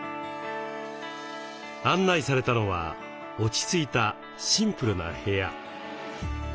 案内されたのは落ち着いたシンプルな部屋。